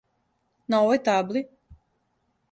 На овој табли?